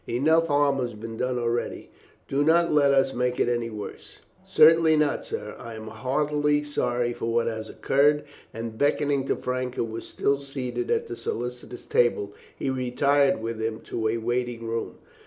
Enough harm has been done already; do not let us make it any worse." "Certainly not, sir. I am heartily sorry for what has occurred," and beckoning to Frank, who was still seated at the solicitors' table, he retired with him to a waiting room.